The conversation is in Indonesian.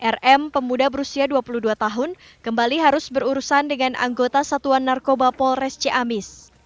rm pemuda berusia dua puluh dua tahun kembali harus berurusan dengan anggota satuan narkoba polres ciamis